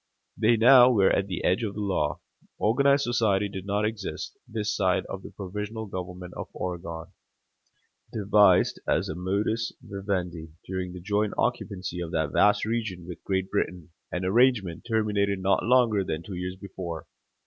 They now were at the edge of the law. Organized society did not exist this side of the provisional government of Oregon, devised as a modus vivendi during the joint occupancy of that vast region with Great Britain an arrangement terminated not longer than two years before.